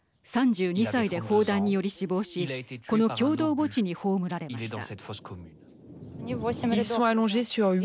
３２歳で砲弾により死亡しこの共同墓地に葬られました。